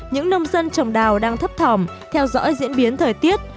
những nông dân trồng đào đang thấp thòm theo dõi diễn biến thời tiết